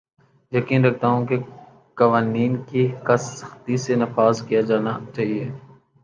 یقین رکھتا ہوں کہ قوانین کا سختی سے نفاذ کیا جانا چاھیے